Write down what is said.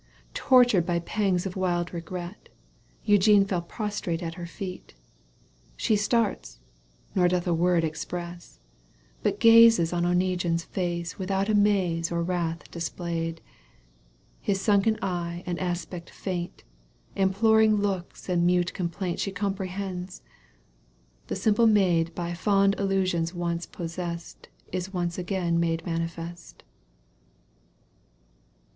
1 Tortured by pangs of wild regret, Eugene fell prostrate at her feet — She starts, nor doth a word express, But gazes on Oneguine's face Without amaze or wrath displayed : His sunken eye and aspect faint, Imploring looks and mute complaint She comprehends. The simple maid By fond illusions once possest Is once again made manifest.